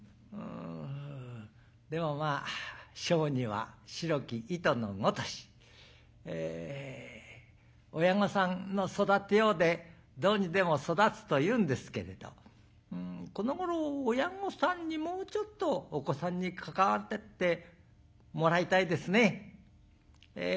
でもまあ「小児は白き糸の如し」。親御さんの育てようでどうにでも育つというんですけれどこのごろ親御さんにもうちょっとお子さんに関わってってもらいたいですね。